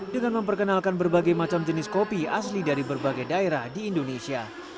dengan memperkenalkan berbagai macam jenis kopi asli dari berbagai daerah di indonesia